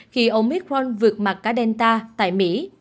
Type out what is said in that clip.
khi omicron vượt mặt cả delta tại mỹ